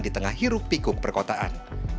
di tengah hirup pikuk perkotaan